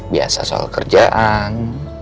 biasa soal kerjaan